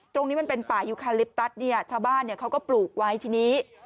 ตรงนี้มันเป็นป่ายุคาลิปตัสชาวบ้านเขาก็ปลูกไว้ที่นี้